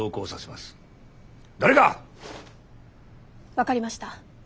分かりました。